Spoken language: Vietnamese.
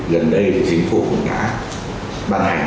gần đây chính phủ cũng đã bán hàng